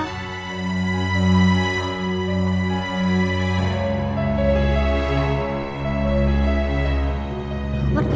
aku pergi dulu